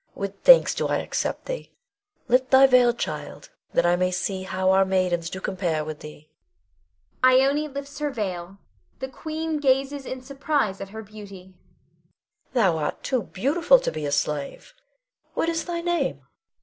With thanks do I accept thee. Lift thy veil, child, that I may see how our maidens do compare with thee. [Ione lifts her veil. The Queen gazes in surprise at her beauty.] Thou art too beautiful to be a slave. What is thy name? Ione.